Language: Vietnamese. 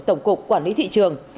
tổng cục quản lý thị trường